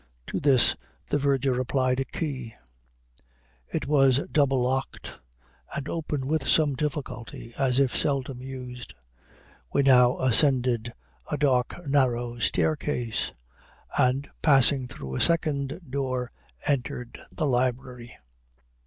To this the verger applied a key; it was double locked, and opened with some difficulty, as if seldom used. We now ascended a dark narrow staircase, and, passing through a second door, entered the library.